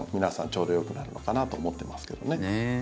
ちょうどよくなるのかなと思っていますけどね。